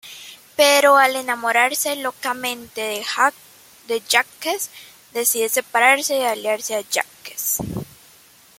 Pero al enamorarse locamente de Jacques, decide separarse y aliarse a Jacques.